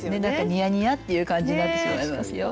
ニヤニヤっていう感じになってしまいますよ。